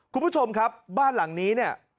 คุณผู้ชมครับบ้านหลังนี้เนี่ย